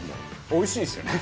おいしいですよね。